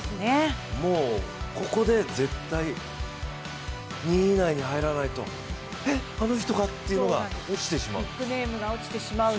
もう、ここで絶対２位以内に入らないとえ、あの人がっていうのが落ちてしまう。